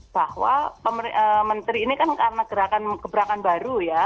bahwa menteri ini kan karena gerakan keberakan baru ya